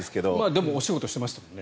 でもお仕事やってましたよね。